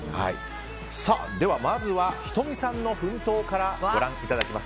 ではまずは仁美さんの奮闘からご覧いただきます。